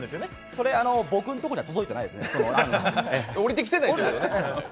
それ、僕のところには届いていないですね。